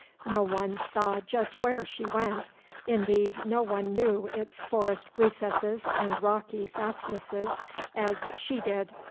No one saw just where she went, indeed, no one knew its forest recesses and rocky fastnesses as she did.